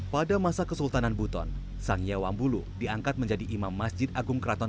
pada masa kesultanan buton sang yewambulu diangkat menjadi imam masjid agung keraton